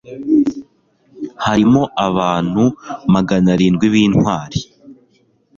harimo abantu magana arindwi b'intwari